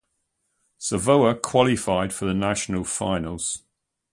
Savoia qualified for the National Finals.